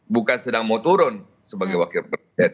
bukan sedang mau turun sebagai wakil presiden